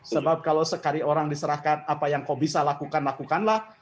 sebab kalau sekali orang diserahkan apa yang kau bisa lakukan lakukanlah